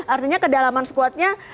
artinya kedalaman squadnya